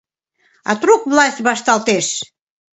— А трук власть вашталтеш.